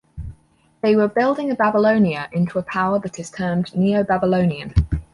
They were building Babylonia into a power that is termed Neo-Babylonian.